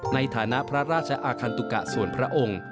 ในฐานะพระราชอาคันตุกะส่วนพระองค์